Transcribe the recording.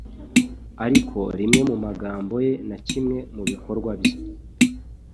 ariko rimwe mu magambo ye na kimwe mu bikorwa bye,